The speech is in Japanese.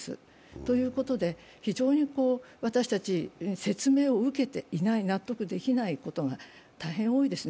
ということで、非常に私たち説明を受けていない納得できないことが大変多いですね。